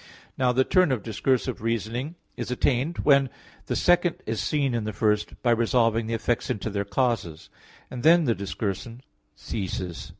Now the term of discursive reasoning is attained when the second is seen in the first, by resolving the effects into their causes; and then the discursion ceases.